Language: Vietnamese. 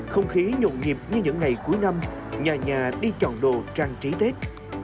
không khí nhộn nhịp như những ngày cuối năm nhà nhà đi chọn đồ trang trí tết